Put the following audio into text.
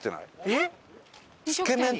えっ！